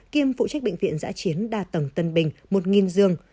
kiêm phụ trách bệnh viện giã chiến đa tầng tân bình một dương